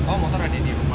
oh motor ada di rumah